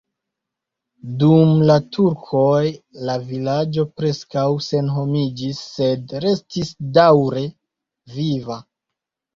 Dum la turkoj la vilaĝo preskaŭ senhomiĝis, sed restis daŭre viva.